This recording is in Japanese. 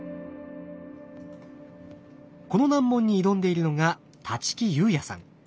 この難問に挑んでいるのが立木佑弥さん。